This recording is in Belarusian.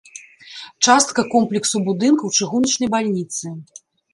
Частка комплексу будынкаў чыгуначнай бальніцы.